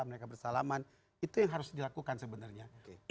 mereka bersalaman itu yang harus dilakukan sebenarnya